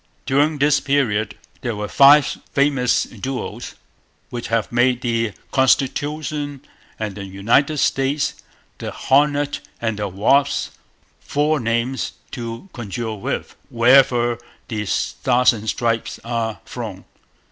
During this period there were five famous duels, which have made the Constitution and the United States, the Hornet and the Wasp, four names to conjure with wherever the Stars and Stripes are flown.